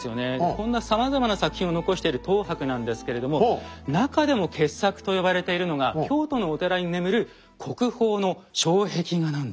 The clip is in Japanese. こんなさまざまな作品を残してる等伯なんですけれどもなかでも傑作と呼ばれているのが京都のお寺に眠る国宝の障壁画なんです。